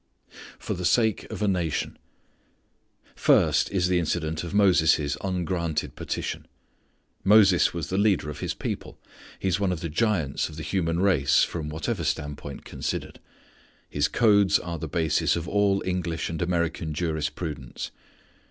For the Sake of a Nation. First is the incident of Moses' ungranted petition. Moses was the leader of his people. He is one of the giants of the human race from whatever standpoint considered. His codes are the basis of all English and American jurisprudence.